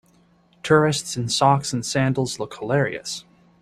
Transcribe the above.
Tourists in socks and sandals look hilarious.